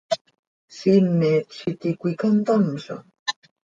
¿Siimet z iti cöica ntamzo?